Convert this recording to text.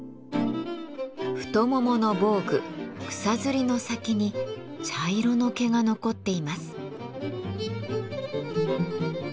太ももの防具草摺の先に茶色の毛が残っています。